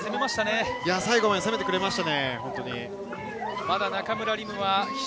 本当に最後まで攻めてくれました。